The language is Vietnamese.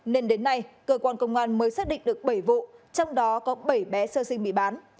nên đến nay cơ quan công an mới xác định được bảy vụ trong đó có bảy bé sơ sinh bị bán